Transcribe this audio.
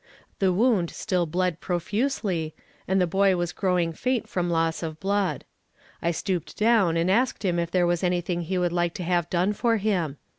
The wound still bled profusely, and the boy was growing faint from loss of blood. I stooped down and asked him if there was anything he would like to have done for him.